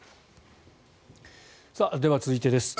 では続いてです。